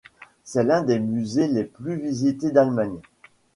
C'est l'un des musées les plus visités d'Allemagne.